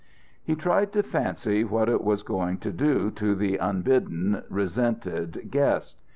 He tried to fancy what it was going to do to the unbidden, resented guest.